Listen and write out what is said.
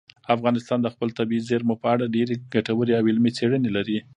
افغانستان د خپلو طبیعي زیرمو په اړه ډېرې ګټورې او علمي څېړنې لري.